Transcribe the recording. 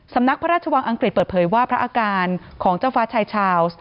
สำนักพระราชวังอังกฤษเปิดเผยว่าพระอาการของเจ้าฟ้าชายชาวส์